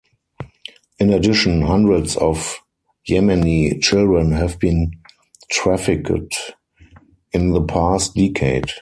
In addition, hundreds of Yemeni children have been trafficked in the past decade.